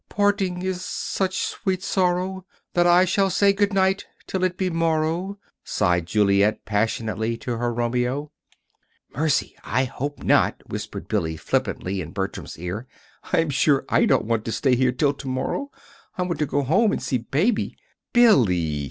parting is such sweet sorrow, That I shall say good night, till it be morrow,"' sighed Juliet passionately to her Romeo. "Mercy! I hope not," whispered Billy flippantly in Bertram's ear. "I'm sure I don't want to stay here till to morrow! I want to go home and see Baby." "_Billy!